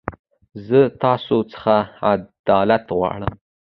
زه تاسو خڅه عدالت غواړم.